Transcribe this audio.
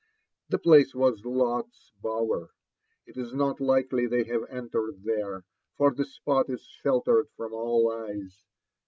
The place, was Lotto's bower : it is not likely they have entered there, for the spot is shel tered from all eyes.